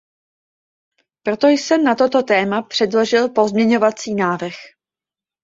Proto jsem na toto téma předložil pozměňovací návrh.